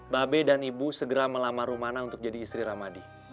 babe dan ibu segera melamar rumana untuk jadi istri ramadi